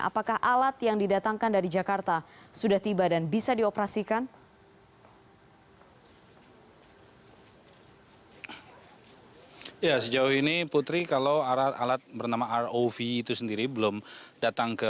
apakah alat yang didatangkan dari jakarta sudah tiba dan bisa dioperasikan